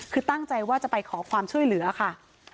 คือตั้งใจว่าจะไปขอความช่วยเหลือค่ะ